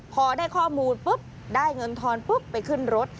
พอได้ข้อมูลปุ๊บได้เงินทอนปุ๊บไปขึ้นรถ